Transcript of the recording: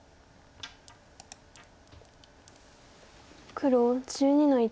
黒１２の一。